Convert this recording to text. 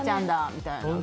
みたいな。